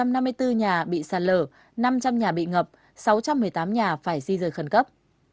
một trăm năm mươi bốn nhà bị sạt lở năm trăm linh nhà bị ngập sáu trăm một mươi tám nhà phải di rời khẩn cấp